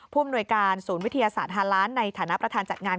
อำนวยการศูนย์วิทยาศาสตร์ฮาล้านในฐานะประธานจัดงาน